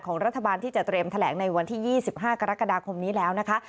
รัฐบาลที่จะเตรียมแถลงในวันที่๒๕กรกฎาคมนี้แล้วนะคะ